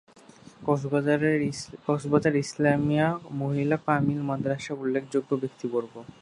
কক্সবাজার ইসলামিয়া মহিলা কামিল মাদ্রাসা উল্লেখযোগ্য ব্যক্তিবর্গ